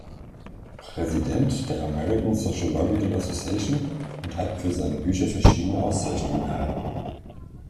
Präsident der American Sociological Association und hat für seine Bücher verschiedene Auszeichnungen erhalten.